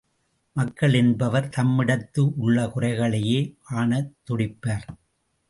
மக்கள் என்பவர் தம்மிடத்து உள்ள குறைகளையே காணத் துடிப்பவர்.